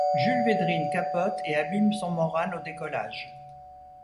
Jules Védrines capote et abîme son Morane au décollage.